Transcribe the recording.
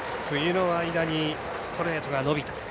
冬の間に、ストレートが伸びた。